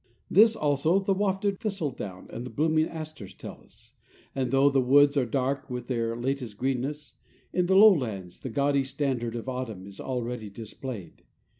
This also the wafted thistledown and the blooming asters tell us, and, though the woods are dark with their latest greenness, in the lowlands the gaudy standard of autumn is already displayed.